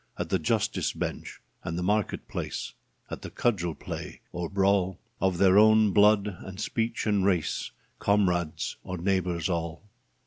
At the justice bench and the market place, At the cudgel play or brawl, Of their own blood and speech and race, Comrades or neighbours all